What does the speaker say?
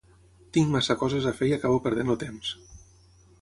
Tinc massa coses a fer i acabo perdent el temps.